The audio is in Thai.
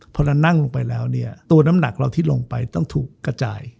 พอเรานั่งลงไปแล้วเนี่ยตัวน้ำหนักเราที่ลงไปต้องถูกกระจาย